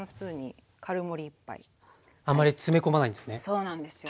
そうなんですよ。